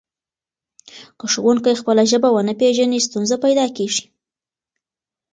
که ښوونکی خپله ژبه ونه پېژني ستونزه پیدا کېږي.